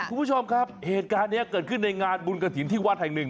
คุณผู้ชมครับเหตุการณ์นี้เกิดขึ้นในงานบุญกระถิ่นที่วัดแห่งหนึ่ง